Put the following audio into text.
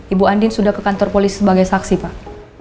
ibu andin sudah ke kantor polisi sebagai saksi pak